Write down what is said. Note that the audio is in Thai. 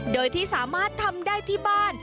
โดยที่สามารถทำได้ที่บ้าน